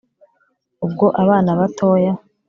Ubwo abana batoya